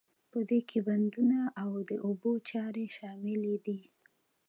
په دې کې بندونه او د اوبو چارې شاملې دي.